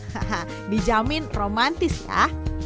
haha dijamin romantis ya